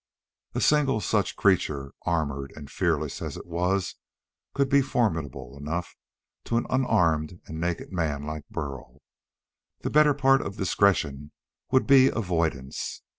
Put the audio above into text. A single such creature, armored and fearless as it was, could be formidable enough to an unarmed and naked man like Burl. The better part of discretion would be avoidance.